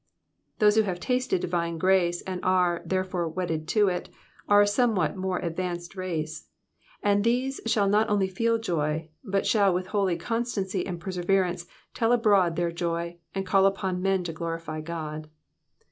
'*'* Those who have tasted divine grace, and are, therefore, wedded to it, are a somewhat more advanced race, and these shall not only feel joy, but shall with holy constancy j^nd perseverance tell abroad their joy, and call upon men to glorify God.